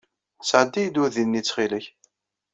Sɛeddi-yi-d udi-nni ttxil-k.